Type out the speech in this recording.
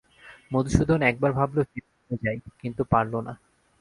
মধুসূদন একবার ভাবল ফিরে চলে যাই, কিন্তু পারল না।